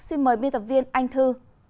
xin mời biên tập viên anh thư